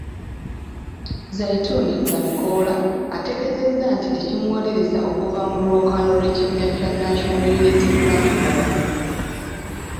Zaitun Babikola ategeezezza nti ekimuwalirizza okuva mu lwokaano lw'ekibiina kya National Unity Platform.